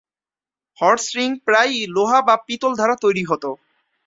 Horse ring প্রায়ই লোহা বা পিতল দ্বারা তৈরি হত।